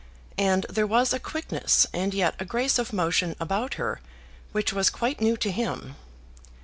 And there was a quickness and yet a grace of motion about her which was quite new to him.